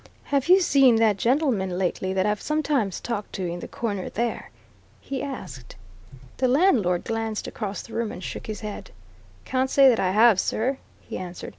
"Have you seen that gentleman lately that I've sometimes talked to in the corner there?" he asked. The landlord glanced across the room and shook his head. "Can't say that I have, sir," he answered.